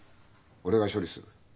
俺が処理する。